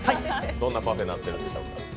どんなパフェになっているんでしょうか？